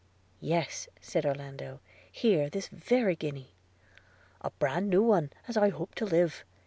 'Yes,' said Orlando – 'Here, this very guinea.' 'A bran new one, as I hope to live!'